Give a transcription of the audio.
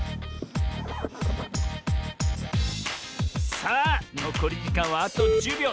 さあのこりじかんはあと１０びょう。